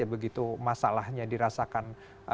begitu masalahnya dirasakan